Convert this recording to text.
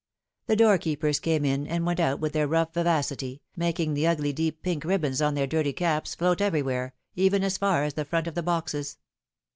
The doorkeepers came in and went out with their rough vivacity, making the ugly deep pink ribbons on their dirty caps float everywhere, even as far as the front of the boxes.